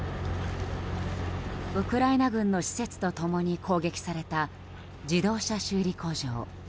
ウクライナ軍の施設と共に攻撃された、自動車修理工場。